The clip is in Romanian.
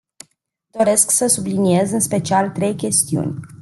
Doresc să subliniez în special trei chestiuni.